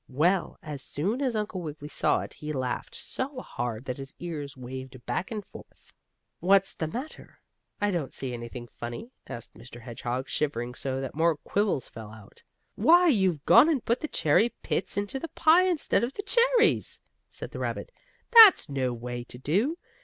Well, as soon as Uncle Wiggily saw it he laughed so hard that his ears waved back and forth. "What's the matter? I don't see anything funny," asked Mr. Hedgehog, shivering so that more quills fell out. "Why, you've gone and put the cherry pits into the pie instead of the cherries," said the rabbit. "That's no way to do.